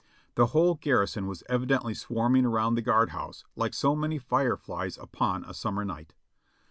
The whole garrison was evidently swarming around the guard house like so many fire flies upon a summer night.